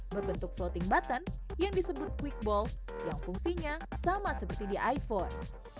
berbentuk floating button yang disebut quickball yang fungsinya sama seperti di iphone